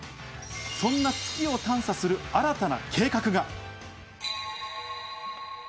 そんな月を探査する新たな計画が。